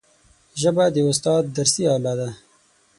ژبه د استاد درسي آله ده